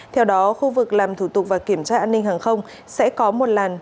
theo đó khu vực làm thủ tục và kiểm tra an ninh hàng không sẽ có một làn